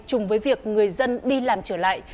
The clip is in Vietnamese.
chung với việc người dân đi làm trở lại